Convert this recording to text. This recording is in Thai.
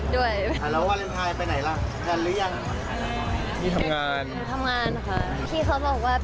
ดีใจครับ